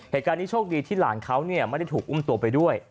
เหตุการณ์นี้โชคดีที่หลานเขาไม่ได้ถูกอุ้มตัวไปด้วย